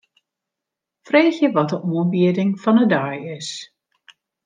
Freegje wat de oanbieding fan 'e dei is.